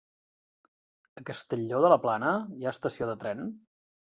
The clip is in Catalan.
A Castelló de la Plana hi ha estació de tren?